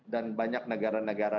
dan banyak negara negara